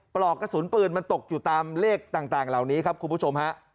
ปลอกกระสุนปืนมันตกอยู่ตามเลขต่างเหล่านี้ครับคุณผู้ชมฮะ